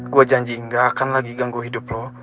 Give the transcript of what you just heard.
gue janji gak akan lagi ganggu hidup lo